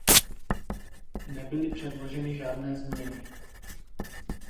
Nebyly předloženy žádné změny.